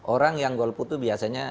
orang yang golput itu biasanya